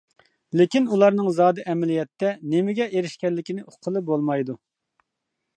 لېكىن ئۇلارنىڭ زادى ئەمەلىيەتتە، نېمىگە ئېرىشكەنلىكىنى ئۇققىلى بولمايدۇ.